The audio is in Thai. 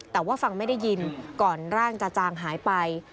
แต่ว่าฟังไม่ได้ยินก่อนร่างจะจางหายไป